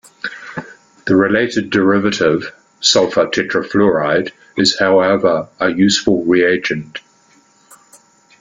The related derivative, sulfur tetrafluoride is however a useful reagent.